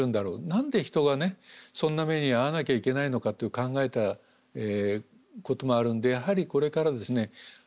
何で人がねそんな目に遭わなきゃいけないのかと考えたこともあるんでやはりこれからですね